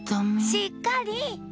しっかり！